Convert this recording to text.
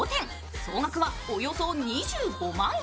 総額はおよそ２５万円。